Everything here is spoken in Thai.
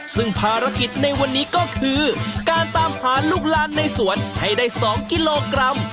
ซึ่งภารกิจในวันนี้ก็คือการตามหาลูกลานในสวนให้ได้๒กิโลกรัม